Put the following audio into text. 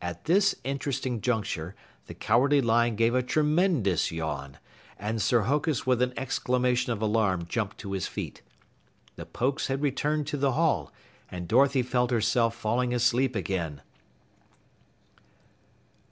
At this interesting juncture the Cowardly Lion gave a tremendous yawn, and Sir Hokus with an exclamation of alarm jumped to his feet. The Pokes had returned to the hall, and Dorothy felt herself falling asleep again.